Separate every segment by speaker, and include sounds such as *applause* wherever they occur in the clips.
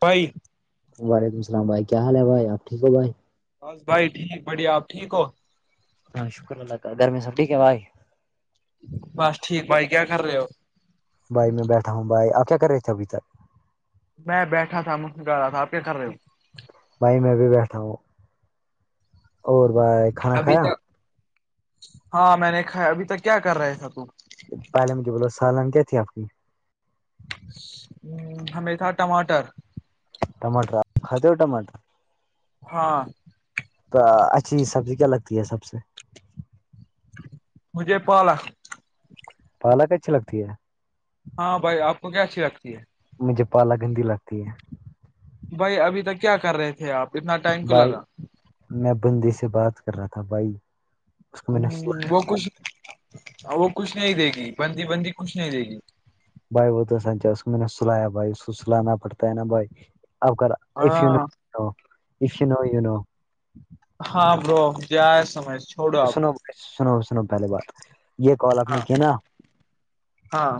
Speaker 1: By
Speaker 2: وعلیکم السلام بھائی کیا حال ہے بھائی آ ٹیک ہو بھائی
Speaker 1: بس بھائی ٹھیک بڑھیا آپ ٹھیک ہو
Speaker 2: ہاں شکر اللہ گھر میں سبٹھیک بھائی
Speaker 1: بس ٹھیک بھائی کیا کر رہے ہو
Speaker 2: بھائی میں بیٹھا ہوں بائی آپ کیا کر رہے تھے اھی تک
Speaker 1: میں بیٹھا تھا م گا رہا تھا آپ کیا کر رہے ہو
Speaker 2: بھائی میں بھی بیٹھا ہوں اور بائی کھانا
Speaker 1: ابھی
Speaker 2: کھایا
Speaker 1: تک ہاں میں نے کھا ابھی تک کیا کر رہے تھ تو
Speaker 2: پالم کے بولو سالان کیا تھی آپ کی
Speaker 1: ہ ہیں تھا ٹماٹر
Speaker 2: ٹماٹر کھد ہو ٹماٹر
Speaker 1: ہاں
Speaker 2: تو اچھی سبزی کیا لگتی ہے سب سے
Speaker 1: مجھے پالک
Speaker 2: پالک اچھی لگتی ہے
Speaker 1: ہاں بھائی آپ کو کیا اچھی لگتی ہے
Speaker 2: مجھے پالا گندی لگتی ہے
Speaker 1: بھائی ابھی تک کیا کر رہے تھے آپ اتنا ٹائم کو
Speaker 2: بھائی
Speaker 1: لگا
Speaker 2: میں بندی سے بات کر رہا تھا بھائی اس کو میں نے سلا
Speaker 1: ہ وہ کچھ وہ کچھ نہیں دے گی بندی بندی کچھ نہیں دے گی
Speaker 2: بھائی وہ تو سنچ اس میں نے سلایا بھائی اس کو سلانا پڑتا ہے نا بھائی اب اف یو
Speaker 1: ہاں
Speaker 2: نوو افیو نو و نو
Speaker 1: ہاں برو ج سمج
Speaker 2: سنو سنو سنو پہلیے بات یہ کال آپ نے
Speaker 1: ہاں
Speaker 2: کی نا
Speaker 1: ہاں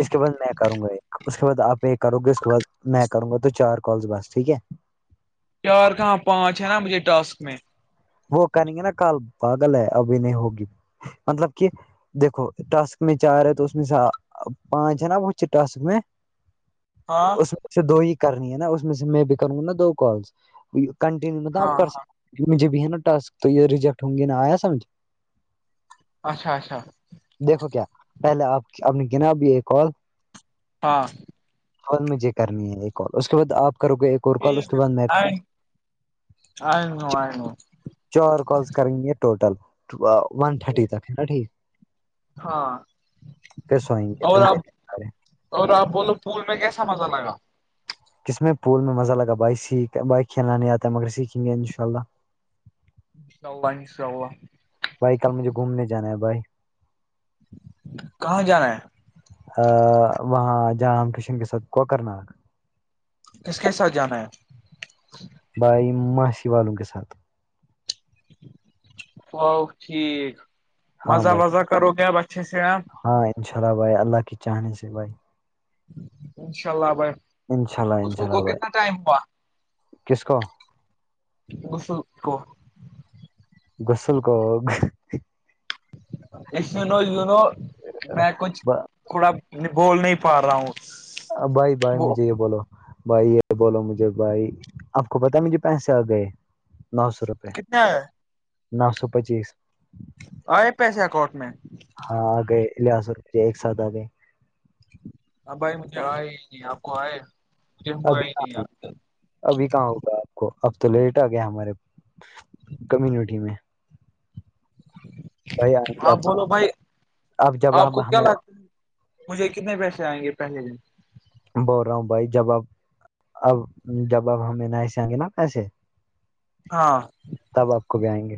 Speaker 2: اس کے بعد میں کروں گا ایک اس کے بعد آپ ایک کرو گے اس کے بعد میں کروں گا تو چار کالس بس ٹھیک ہے
Speaker 1: چار کہاں پانچ ہے نا مجھے ٹاسک میں
Speaker 2: وہ کہیں گے نا کال پاگل ہے ابھی نہیں ہوگی مطلب کہ دیکھو ٹاسک میں چار ہے تو اس میں پانچ ہے نا وہ ٹاسک میں *unintelligible*
Speaker 1: ہاں *unintelligible*
Speaker 2: سے دو ہی کرنی ہے نا اس میں سے میں بھی کروں گا نا دو کال کنٹینیو مطلب
Speaker 1: ہاں
Speaker 2: آپ کر
Speaker 1: ہاں
Speaker 2: سک مجھے بھی ہے نا ٹاسک تو یہ ریجیکٹ ہوں گے نہ آیا سمجھ
Speaker 1: اچھا اچھا
Speaker 2: دیکھو کیا پہلے آپ آپ نے گنا اب ایک کال
Speaker 1: ہاں *unintelligible*
Speaker 2: فال مجھے کرنی ہے ایک کال اس کے بعد آپ کرو گے ایک اور کال اس
Speaker 1: ٹھیک
Speaker 2: کے بعد میں
Speaker 1: آئ ن آئ ن
Speaker 2: چ کالس کریں گے ٹوٹل ون تھرٹی تک ہے نا ٹھیک
Speaker 1: ہاں
Speaker 2: پھر سوئیں گے پھر مجھے نیند آ رہی ہے۔
Speaker 1: اور آپ بولو پول میں کیسا مزہ لگا
Speaker 2: کس میں پول میں مزہ لگا بائک سیکھ بائک کھیلانے آتا ہے مگر سیکھیں گے ان شاء اللہ
Speaker 1: سوا سوا
Speaker 2: بھائی کل مجھے گھومنے جانا ہے بھائی
Speaker 1: کہاں جانا ہے
Speaker 2: وہاں ج رام کرشن کے ساتھ کوکر ناگ
Speaker 1: کس کے ساتھ جانا ہے
Speaker 2: بائی ماشی والوں کے ساتھ
Speaker 1: ا ٹھیک
Speaker 2: ہاں
Speaker 1: مزہ
Speaker 2: بھائی
Speaker 1: وزہ کرو گے اب اچھے سے آپ
Speaker 2: ہاں ان شاء اللہ بھائی اللہ کے چاہنے سے بھائی
Speaker 1: انشاء اللہ آ بھائی
Speaker 2: انشاء اللہ انشاء
Speaker 1: ک کو
Speaker 2: اللہ بھائی
Speaker 1: کتنا ٹائم پا
Speaker 2: کس کو
Speaker 1: گس کو
Speaker 2: گسل کوگ
Speaker 1: اس یو نو یو نو میں کچھ تھوڑا بول نہیں پا رہا ہوں
Speaker 2: بھائی بائی میں
Speaker 1: وہ
Speaker 2: جیے بولو بھائی یہ بولو مجھے بھائی آپ کو پتا ہے مجھے پیسے آ گئے نو سو روپے
Speaker 1: کتنا ہے
Speaker 2: نو سو پچیس
Speaker 1: آئے پیسے اکاؤنٹ میں
Speaker 2: ہاں آ گئے لیا سو روپے ایک سات آ گئے
Speaker 1: ہاں بھائی مجھے آئے ہی نہیں آپ کو آئے مجھے ہوا
Speaker 2: ابھی
Speaker 1: ہی
Speaker 2: کہاں
Speaker 1: نہیں
Speaker 2: ہے
Speaker 1: آپ
Speaker 2: ابھی کہاں ہوگا آپ کو اب تو لیٹ آ گیا ہمارے کمیونٹی میں بھائی آئیں گے
Speaker 1: آپ
Speaker 2: اب
Speaker 1: بولو بھائی
Speaker 2: اب جب
Speaker 1: آپ کو کیا
Speaker 2: ہمیں
Speaker 1: لگتا مجھے کتنے پیسے آئیں گے پہلے کے
Speaker 2: بول رہا ہوں بھائی جب آپ اب جب اب ہمیں نہ سے آئیں گے نا پیسے
Speaker 1: ہاں *unintelligible*
Speaker 2: تب آپ کو بھی آئیں گے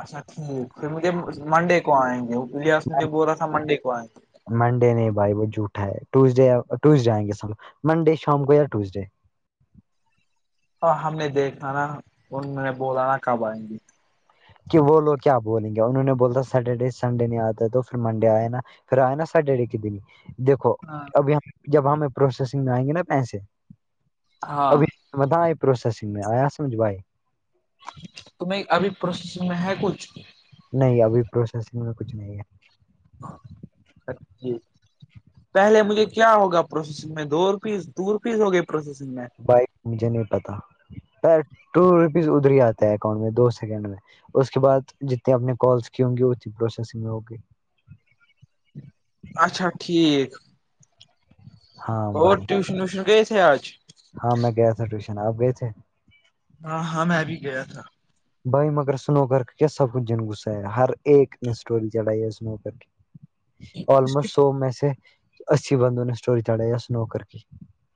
Speaker 1: اچھاٹھیک پھر مجھے منڈے کو آئیں گے لیاس مجھے بول رہا تھا منڈے کو آئیں گے
Speaker 2: منڈے نہیں بھائی وہ جھوٹا ہے ٹوزڈے ٹیوزڈے آئیں گے س منڈے شام کو یا ٹیوزڈے
Speaker 1: اور ہم نے دیکھا نا ان نے بولانا کب آئیں گی
Speaker 2: کہ وہ لوگ کیا بولیں گے انہ نے بولتا سیٹرڈے سنڈے نہیں آتا تو پھر منڈے آئے نا پھر آئے نا ساھے آے ایک دنی دیکھو
Speaker 1: ہاں
Speaker 2: جب ہمیں پروسیسنگ میں آئیں گے نا پیسے
Speaker 1: ہاں
Speaker 2: ابھی باں آئی پروسسگ میں آیا سمجو
Speaker 1: تو نہیں ابھی پروس میں ہے کچھ
Speaker 2: نہیں ابھی پروسیسنگ میں کچھ نہیں ہے
Speaker 1: ہ اچا ٹھیک پہلے مجھے کیا ہوگا پروسیسنگ میں دو روپیس دو روپیس ہو گئی پروسیسنگ میں
Speaker 2: بائک مجھے نہیں پتا ٹو روپیز ادھر ہی آتا ہے اکاؤنٹ میں دو سیکنڈ میں اس کے بعد جتنے اپنے کالس کی ہوں گی اتنی پروسیسنگ میں ہوگی
Speaker 1: اچھا ٹھیک
Speaker 2: ہاں
Speaker 1: اور
Speaker 2: بھائی
Speaker 1: ٹیوشن ویوشن گئے تھے آج
Speaker 2: ہاں میں گیا تھا ٹیوشن آپ گئے تھ
Speaker 1: ہاں ہاں میںبھی گیا تھا
Speaker 2: بھائی مگر سنو کر کیا سب کچھ جن گسا ہے ہر ایک نے اسٹوری چڑھائی ہے سنو کر کی
Speaker 1: کس
Speaker 2: آلموسٹ
Speaker 1: کس
Speaker 2: سو میں سے اسی بندوں نے اسٹوری چڑھائی ہے سنو کر کی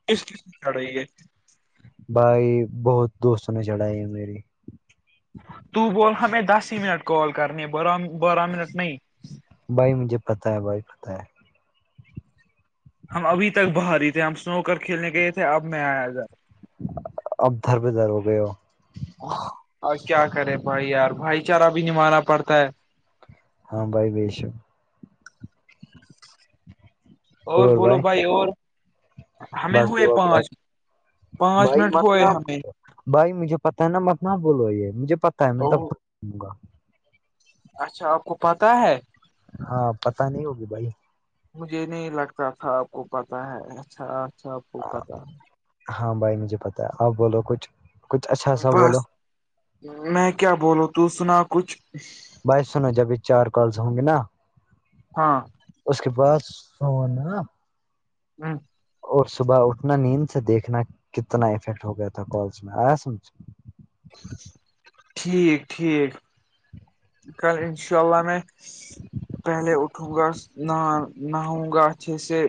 Speaker 1: کس چز سے چھڑ رہی ہے
Speaker 2: بھائی بہت دوستوں نے چڑھائی ہے میری
Speaker 1: تو بول ہمیں دس ہی منٹ کال کرنی ہے بارہ بارہ منٹ نہیں
Speaker 2: بھائی مجھے پتا ہے بھائی پتہ ہے
Speaker 1: ہم ابھی تک باہر ہی تھے ہم سنو کر کھیلنے گئے تھے اب میں آیا ر
Speaker 2: اب دھر بدھر ہو گئے ہو
Speaker 1: اور کیا کرے بھائی یار بھائی چارہ بھی ن مانا پڑتا ہے
Speaker 2: ہاں بھائی بیسو
Speaker 1: اور بولو بھائی اور ہمیں
Speaker 2: بس
Speaker 1: ہوئے
Speaker 2: دپائی
Speaker 1: پانچ پانچ
Speaker 2: بھائی
Speaker 1: منٹ ہوئے
Speaker 2: مطلب
Speaker 1: ہمیں
Speaker 2: بھائی مجھے پتا ہے نا متنا بولو یہ مجھے پتا ہے میں تبوں گا
Speaker 1: اچھا آپ کو پتاہ ہے
Speaker 2: ہاں پتا نہیں ہوگی بھائی
Speaker 1: مجھے نہیں لگتا تھا آپ کو پتا ہے اچھا اچھا آپ کو پتا ہے
Speaker 2: ہاں بھائی مجھے پتا ہے آپ بولو کچھ کچھ اچھا سا
Speaker 1: بس
Speaker 2: بولو
Speaker 1: میں کیا بولو ت سنا کچھ
Speaker 2: بائی سناو جبھی چار کالس ہوں گے نا
Speaker 1: ہاں
Speaker 2: اس کے بعد سونا
Speaker 1: ہاں
Speaker 2: اور صبح اٹھنا نیند سے دیکھنا کتنا افیکٹ ہو گیا تھا کالس میں آیا سمھ
Speaker 1: ٹھیک ٹھیک ک انشاء اللہ میں پہلے اٹھوں گا نہ نہؤ گا اچھے سے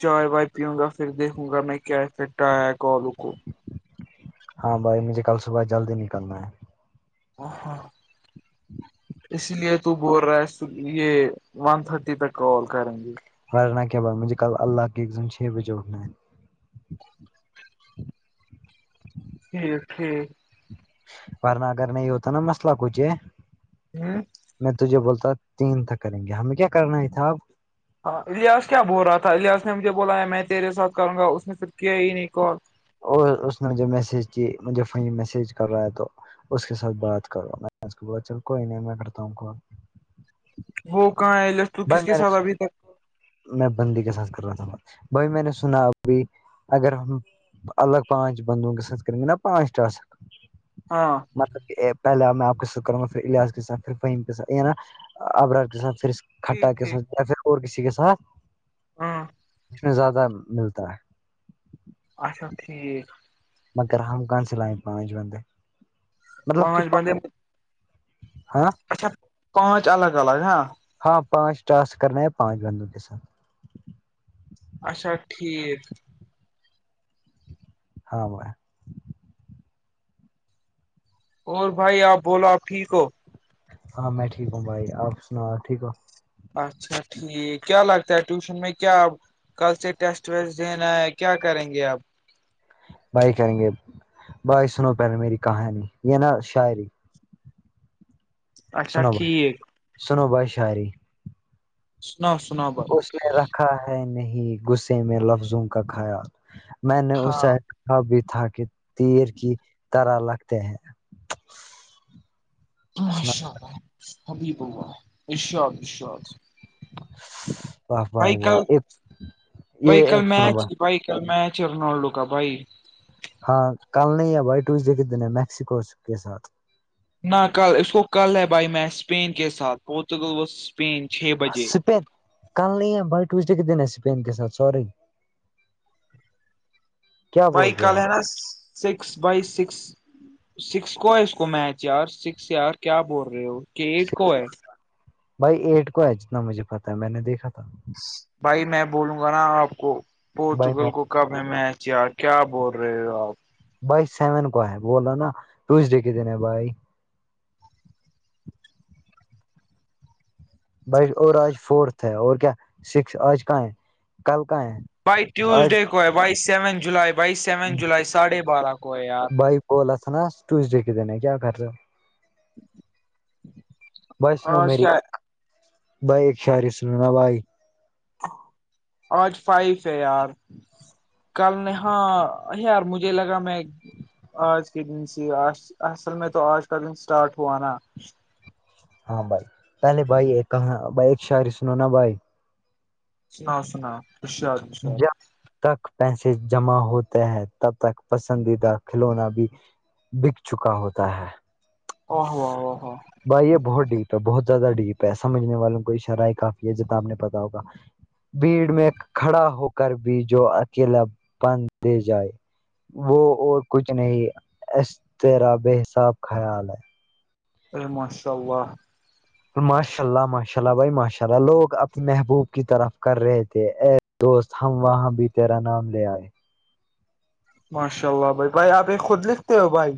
Speaker 1: چائے وائے پیوں گا پھر دیکھوں گا میں کیا افیکٹ آیا گا آلو کو
Speaker 2: ہاں بھائی مجھے کل صبح جلدی نکلنا ہے
Speaker 1: وہا اس لیے تو بول رہا ہے یہ ون تھرٹی تک کال کریں گے
Speaker 2: دوائی مجھے کل اللہ کی
Speaker 1: یھیک ٹھیک
Speaker 2: ورن اگر نہیں ہو تو نا مسئلہ کچھ ہے
Speaker 1: ہوں
Speaker 2: میں تجھے بولتا تین تک کریں گے ہمیں کیا کرنا ہی تھاب
Speaker 1: ہاں الیاس کیا بول رہا تھا الیاس نے مجھے بولایا میں تیرے ساتھ کروں گا اس نے صرف کیا ہی نہیں کال
Speaker 2: اور اس نے مج جوے میسج کی مجھے فیں میسج کر رہا ہے تو اس کے ساتھ بات کرو میں ب کوئی نہیں میں کرتا ہوں کو
Speaker 1: وہ کہاں آئ ل
Speaker 2: بائی میں نے میں بندی کے ساتسھ کر رہا تھا بھائی میں نے سنا ابھی اگر ہم الگ پانچ بندوں کے سات کریں گ نا پانچ ٹاسک
Speaker 1: ہاں
Speaker 2: مطلب کہ پہلے میں آپ کو سکھ کروں گا پھر الیاس کے ساتھ پھر فہیم کے ساتھ نا ابرار کے ساتھھر کھٹا
Speaker 1: ٹھیک
Speaker 2: کے
Speaker 1: ٹھیک
Speaker 2: ساتھ یا پھر اور کسی کے ساتھ
Speaker 1: ہاں *unintelligible*
Speaker 2: اس میں زیادہ ملتا ہے
Speaker 1: اچھا ٹھیک
Speaker 2: مگر حمکان سےلائ پانچ بندے مطلب کہ
Speaker 1: پانچ بندے
Speaker 2: ہ
Speaker 1: اچھا پانچ الگ الگ ہاں
Speaker 2: ہاں پانچ ٹاسک کرنا ہیں پانچ بندوں کے ساتھ
Speaker 1: اچھا ٹھیک
Speaker 2: ہاں ب
Speaker 1: اور بھائی آپ بولو آپ ٹھیک ہو
Speaker 2: ہاں میں ٹھیک ہوں بھائی آپ سنا ٹھیک ہو
Speaker 1: اچھا ٹھیک کیا لگتا ہے ٹیوشن میں کیا کل سے ٹیسٹ ویسٹ دینا ہے کیا کریں گے آپ
Speaker 2: بائی کریں گے بائی سنو پہلے میری کہانی یہ نا شاعری
Speaker 1: اچھا
Speaker 2: سنوبائی
Speaker 1: ٹھیک
Speaker 2: سنوبائی شاہری
Speaker 1: سناؤ سنا با
Speaker 2: اس نے رکھا ہے نہیں غصے میں لفظوں کا خیال میں نے
Speaker 1: ہاں
Speaker 2: اسے اب بھی تھا کہ تیر کی طرح لگتے ہیں سنا
Speaker 1: ماشاء اللہ ابھی با ارشاد ارشاد
Speaker 2: واہ وائی
Speaker 1: بھائی
Speaker 2: واہ
Speaker 1: کل
Speaker 2: ایک یہ
Speaker 1: بھائی
Speaker 2: ایک
Speaker 1: کل
Speaker 2: سنو
Speaker 1: میچ
Speaker 2: واہ
Speaker 1: بھائی کا میں چیرنالڈو کا بھائی
Speaker 2: ہاں کل نہیں ہے بھائی ٹوزڈے ک دنے ہے میکسیکو کے ساتھ
Speaker 1: نہ کل اس کو کل ہے بھائی میں اسپین کے ساتھ پورتگل پین چھ بجے
Speaker 2: سپین کل نہیں ہے بائی ٹوزڈے کے دن ہے سپین کے ساتھ سوری کیا
Speaker 1: وہی
Speaker 2: بول رہے
Speaker 1: کل
Speaker 2: ہو آپ
Speaker 1: ہے نا سکس بائی سکس سکس کو ہے اس کو میچ یار سکس یار کیا بول رہے ہو کٹ کو ہے
Speaker 2: بھائی ایٹ کو ہے جتنا مجھے پتہ ہے میں نے دیکھا تھا
Speaker 1: بھائی میں بولوں گا نا آپ کو
Speaker 2: بائی میں
Speaker 1: پورچوگل کو کب ہے میچ یار کیا بول رہے ہو آپ
Speaker 2: بائی سیون کو ہے بلا نا ٹوزڈے کے دن ہے بھائی بائی اور آج فورتھ ہے اور کیا سکس آج کہاں ہے کل کہاں ہے
Speaker 1: بائی
Speaker 2: آج
Speaker 1: ٹیوزڈے کو ہے by seven July by seven جولائی ساھے بارہ کو ہے یار
Speaker 2: گولس نا ٹوزڈے کے دنے کیا کر رہے ہو وسنو
Speaker 1: آج
Speaker 2: میری
Speaker 1: کیا
Speaker 2: بھائی خاری سلینا بھائی
Speaker 1: آج فائف ہے یار کل نے ہاں یار مجھے لگا میں آج کے دن سے اصل میں تو آج کا دن اسٹارٹ ہوا نا
Speaker 2: ہاں بھائی پلے بائی ایک ب ایک شریس ن نا بھائی
Speaker 1: سناؤ سناؤ خشیاد
Speaker 2: ج تک پیسے جمع ہوتے ہیں تب تک پسندیدہ کھلونا بھی بک چکا ہوتا ہے
Speaker 1: او ہوو ہو ہو
Speaker 2: بھائی یہ بہت ڈیپ ہے بہت زیادہ ڈیپ ہے سمجھ والوں کو شرائ کافی ہے ج تو آپ نے پتا ہوگا بھیڑ میں کھڑا ہو کر بھی جو اکیلا بدھ دے جائے وہ اور کچھ نہیں اس تیرا بے حساب خیال ہے
Speaker 1: ا ماشاء اللہ
Speaker 2: ماشاء اللہ ماشالہ شا اللہ بھائی ماشاء اللہ لوگ اپنے محبوب کی طرف کر رہے تھے ایے دوست ہم وہاں بھی تیرا نام لے آئے
Speaker 1: ماشاء اللہ بھائی بھائی آپ ایک خود لکھتے ہو بھائی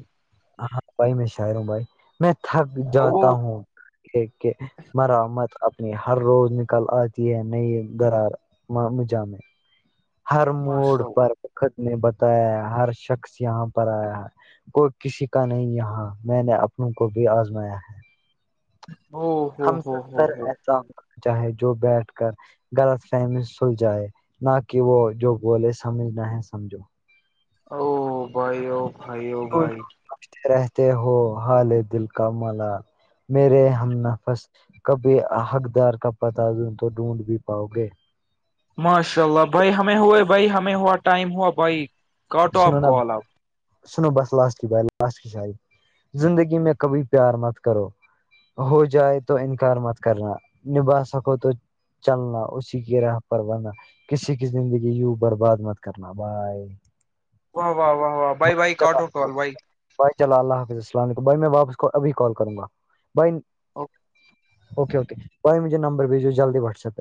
Speaker 2: ہاں بھائی میں شاعر ہوں بھائی میں تھک
Speaker 1: وہ
Speaker 2: جاتا ہوں کہ مرمت اپنی ہر روز نکل آتی ہے نئی درار م مجام ہے ہر موڈ
Speaker 1: ماشاء اللہ،
Speaker 2: پر بکھد نے بتایا ہے ہر شخص یہاں پر آیا ہے کوئی کسی کا نہیں یہاں میں نے اپنوں کو بھی آزمایا ہے
Speaker 1: او ہو
Speaker 2: ہم
Speaker 1: ہو
Speaker 2: سب
Speaker 1: ہو
Speaker 2: سر
Speaker 1: ہو
Speaker 2: ایسا ہونا چاہے جو بیٹھ کر غلط فہمی سل جائے نہ کہ وہ جو بولے سمجھ نہ ہے سمجھو
Speaker 1: او بھائی او بھائی او
Speaker 2: کیوں
Speaker 1: بھائی
Speaker 2: سمجھتے رہتے ہو ہال دل کا مالا میرے ہم نفس کبھی حقدار کا پتا دوں تو ڈھونڈ بھی پاؤ گے
Speaker 1: ماشاء اللہ بھائی ہمیں ہوئے بھائی ہمیں ہوا ٹائم ہوا بھائی کاٹو
Speaker 2: سنو
Speaker 1: آپ
Speaker 2: نا
Speaker 1: کال آپ
Speaker 2: سنو بس لاسٹ کی ب لاس کی شاعی زندگی میں کبھی پیار مت کرو ہو جائے تو انکار مت کرنا نبھا سکو تو چلنا اسی کی راہ پر بنا کسی کی زندگی یوں برباد مت کرنا بھائی
Speaker 1: واہ واہ واہ واہ بھائی بائی کاٹوٹو بائی
Speaker 2: بھائی چلو اللہ حافظ السلام علیکم بھائی میں واپس کو ابھی کال کروں گا بھائی
Speaker 1: او
Speaker 2: اوکے اوے بائی مجےمبر بھیجو جلدی واٹسپہ